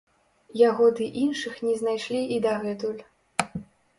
Яго ды іншых не знайшлі і дагэтуль.